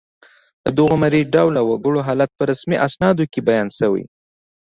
د دغو مري ډوله وګړو حالت په رسمي اسنادو کې بیان شوی